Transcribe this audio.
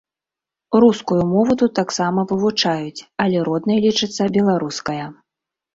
Рускую мову тут таксама вывучаюць, але роднай лічыцца беларуская.